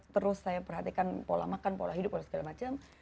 terus saya perhatikan pola makan pola hidup dan segala macam